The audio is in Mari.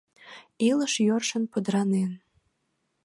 Илыш йӧршын пудыранен.